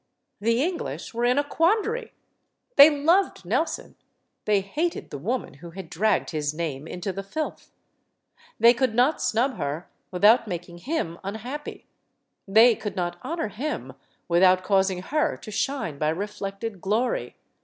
The English were in a quandary. They loved Nelson; they hated the woman who had dragged his name into the filth. They could not snub her without making him unhappy; they could not honor him without causing her to shine by reflected glory.